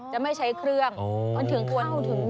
ผมแจกเพื่อนแจกน้อง